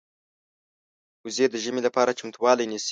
وزې د ژمې لپاره چمتووالی نیسي